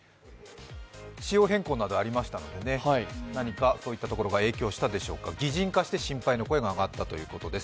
仕様変更などありましたので、何かそれが影響したでしょうか、擬人化して心配の声が上がったということです。